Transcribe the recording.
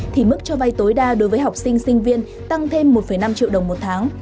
thì mức cho vay tối đa đối với học sinh sinh viên tăng thêm một năm triệu đồng một tháng